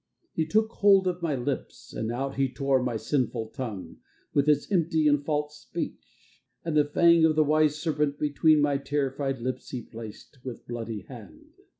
And he took hold of my lips, And out he tore my sinful tongue With its empty and false speech. And the fang of the wise serpent Between my terrified lips he placed With bloody hand.